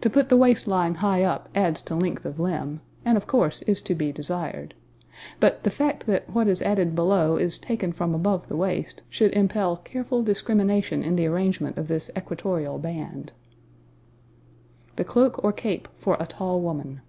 To put the waist line high up adds to length of limb, and, of course, is to be desired, but the fact that what is added below is taken from above the waist, should impel careful discrimination in the arrangement of this equatorial band. The Cloak or Cape for a Tall Woman.